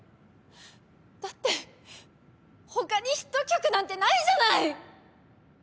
だって他にヒット曲なんてないじゃない！